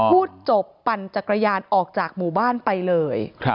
พูดจบปั่นจักรยานออกจากหมู่บ้านไปเลย